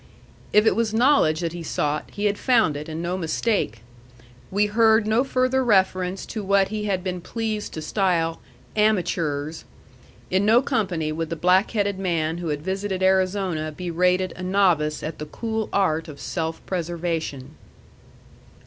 If it was knowledge that he sought, he had found it, and no mistake! We heard no further reference to what he had been pleased to style "amatures." In no company would the black headed man who had visited Arizona be rated a novice at the cool art of self preservation.